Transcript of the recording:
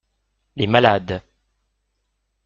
Les malades.